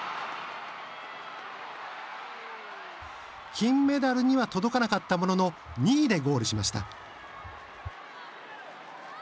金メダルには届かなかったものの２位でゴールしました。